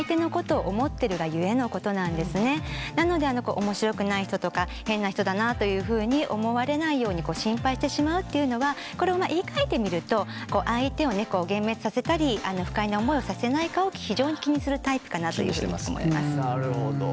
なのでおもしろくない人とか変な人だなというふうに思われないように心配してしまうというのはこれを言いかえてみると相手を幻滅させたり不快な思いをさせないかを非常に気にするタイプかなというふうに思います。